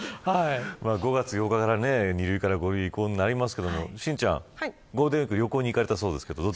５月８日から２類から５類に移行になりますが、心ちゃんゴールデンウイーク旅行に行かれたそうですね。